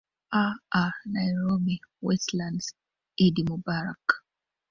aa nairobi westlands idd mubarak